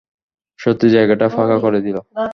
সত্যিই যায়গাটা ফাঁকা করে দিল।